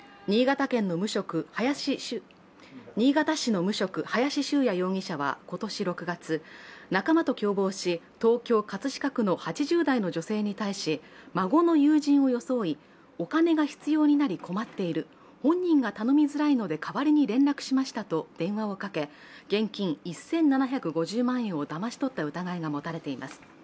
新潟市の無職、林柊耶容疑者は今年６月、仲間と共謀し、東京・葛飾区の８０代の女性に対し、孫の友人を装い、お金が必要になり困っている、本人が頼みづらいので代わりに連絡しましたと電話をかけ、現金１７５０万円をだまし取った疑いが持たれています。